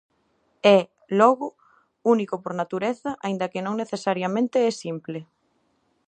É, logo, único por natureza, aínda que non necesariamente é simple.